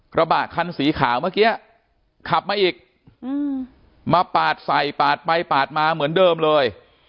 กระบะคันสีขาวเมื่อกี้ขับมาอีกมาปาดใส่ปาดไปปาดมาเหมือนเดิมเลย